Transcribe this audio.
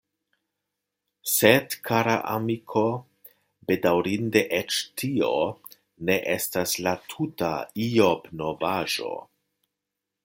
Sed, kara amiko, bedaŭrinde eĉ tio ne estas la tuta Ijobnovaĵo.